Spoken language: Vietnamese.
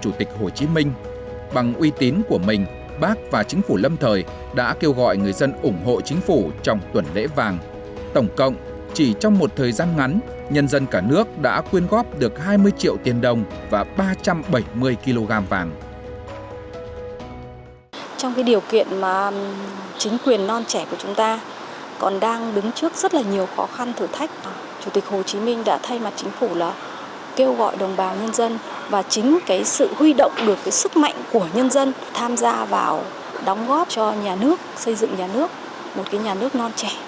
chủ tịch hồ chí minh đã thay mặt chính phủ là kêu gọi đồng bào nhân dân và chính cái sự huy động được cái sức mạnh của nhân dân tham gia vào đóng góp cho nhà nước xây dựng nhà nước một cái nhà nước non trẻ